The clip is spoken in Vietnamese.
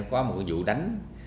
có một vụ đánh